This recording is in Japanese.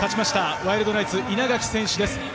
ワールドナイツ・稲垣選手です。